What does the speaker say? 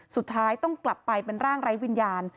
สุดท้ายต้องกลับไปเป็นร่างไร้วิญญาณ